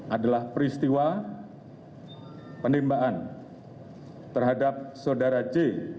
adalah peristiwa penerimaan terhadap saudara c